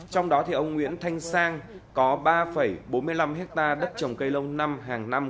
trong đó ông nguyễn thanh sang có ba bốn mươi năm hectare đất trồng cây lâu năm hàng năm